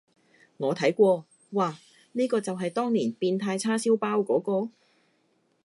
我睇過，嘩，呢個就係當年變態叉燒包嗰個？